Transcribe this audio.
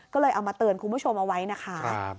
ก็เลยเอามาเตือนคุณผู้ชมเอาไว้นะคะ